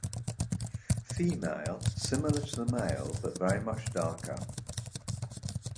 Female similar to the male but very much darker.